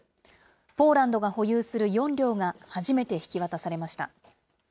ポーランドが保有する４両が初めて引き渡されました。